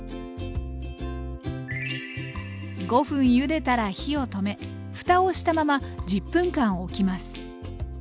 ５分ゆでたら火を止めふたをしたまま１０分間おきます。